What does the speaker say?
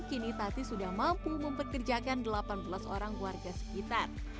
kini tati sudah mampu mempekerjakan delapan belas orang warga sekitar